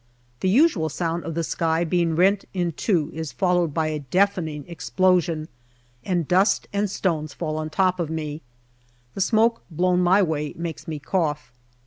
The usual sound of the sky being rent in two is followed by a deafening explosion, and dust and stones fall on top of me. The smoke blown my way makes me cough.